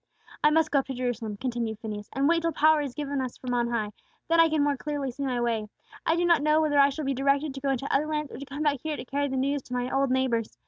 "I must go up to Jerusalem," continued Phineas, "and wait till power is given us from on high; then I can more clearly see my way. I do not know whether I shall be directed to go into other lands, or to come back here to carry the news to my old neighbors.